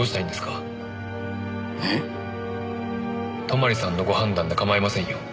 泊さんのご判断で構いませんよ。